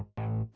kita bisa berdua